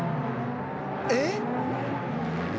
えっ？